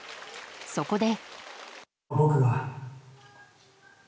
そこで。